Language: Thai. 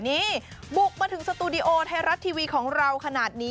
นี่บุกมาถึงสตูดิโอไทยรัฐทีวีของเราขนาดนี้